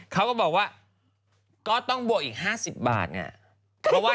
เขาก็บอกว่า